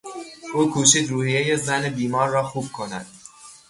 او کوشید روحیهی زن بیمار را خوب کند.